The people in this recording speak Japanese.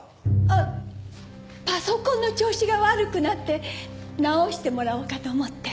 えっパソコンの調子が悪くなって直してもらおうかと思って。